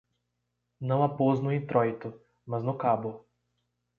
não a pôs no intróito, mas no cabo